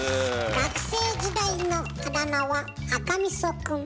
学生時代のあだ名は赤みそくん。